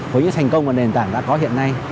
với những thành công mà nền tảng đã có hiện nay